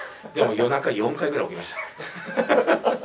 でも夜中、４回ぐらい起きました。